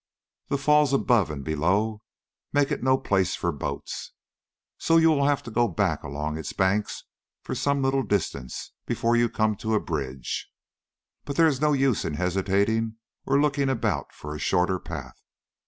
The falls above and below make it no place for boats, and you will have to go back along its banks for some little distance before you come to a bridge. But there is no use in hesitating or looking about for a shorter path.